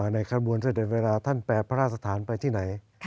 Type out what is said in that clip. ในขบวนเสด็จเวลาท่านแปรพระราชฐานไปที่ไหน